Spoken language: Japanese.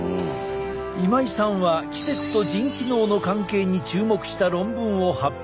今井さんは季節と腎機能の関係に注目した論文を発表。